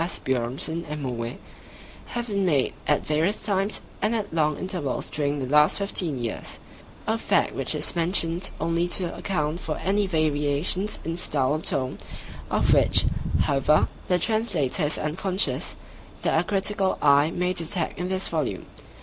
Asbjörnsen and Moe, have been made at various times and at long intervals during the last fifteen years; a fact which is mentioned only to account for any variations in style or tone—of which, however, the Translator is unconscious—that a critical eye may detect in this volume.